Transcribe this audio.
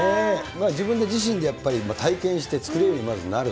自分で自身でやっぱり体験して作れるようになる。